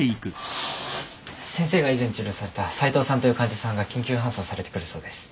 先生が以前治療された斎藤さんという患者さんが緊急搬送されてくるそうです。